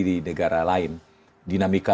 di negara lain dinamika